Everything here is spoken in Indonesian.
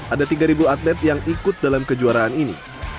ada tiga atlet yang ikut dalam kejuaraan ini